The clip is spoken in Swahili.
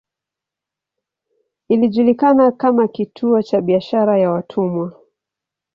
Ilijulikana kama kituo cha biashara ya watumwa.